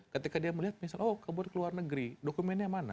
ketika dia melihat misalnya oh kabur ke luar negeri dokumennya mana